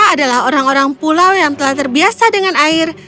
adalah orang orang pulau yang telah terbiasa dengan air